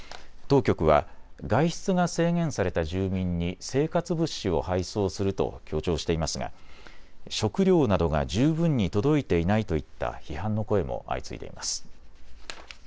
当局は外出が制限された住民に生活物資を配送すると強調していますが食料などが十分に届いていないといった批判の声も相次いでいます。